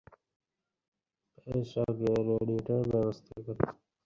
এতকাল নন্দলাল রাগ করিয়া ছিল, ভালো কথা, তাহার দোষ নাই।